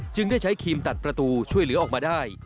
ได้ใช้ครีมตัดประตูช่วยเหลือออกมาได้